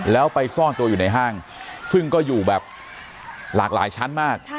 แล้วไปซ่อนตัวอยู่ในห้างซึ่งก็อยู่แบบหลากหลายชั้นมาก